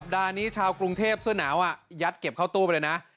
ดานี้ชาวกรุงเทพเสื้อหนาวยัดเก็บเข้าตู้ไปเลยนะ